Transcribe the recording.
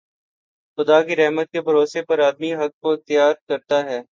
خدا کی رحمت کے بھروسے پر آدمی حق کو اختیار کرتا